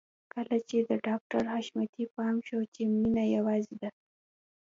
کله چې د ډاکټر حشمتي پام شو چې مينه يوازې ده.